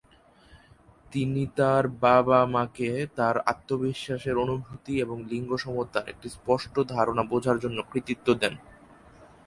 তিনি তার বাবা-মাকে তার আত্মবিশ্বাসের অনুভূতি এবং লিঙ্গ সমতার একটি স্পষ্ট ধারনা বোঝার জন্য কৃতিত্ব দেন।